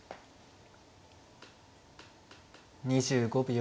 ２５秒。